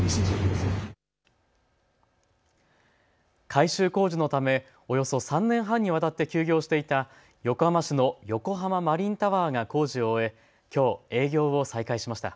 改修工事のためおよそ３年半にわたって休業していた横浜市の横浜マリンタワーが工事を終えきょう営業を再開しました。